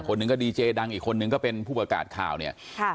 หนึ่งก็ดีเจดังอีกคนนึงก็เป็นผู้ประกาศข่าวเนี่ยค่ะ